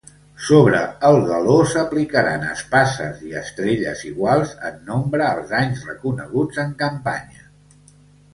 Sobre el galó s'aplicaran espases i estrelles iguals en nombre als anys reconeguts en campanya.